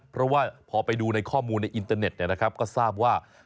เพราะว่าพอไปดูในข้อมูลในอินเตอร์เน็ตก็ทราบว่า